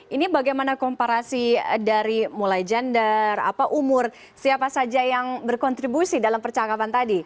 ini bagaimana komparasi dari mulai gender umur siapa saja yang berkontribusi dalam percakapan tadi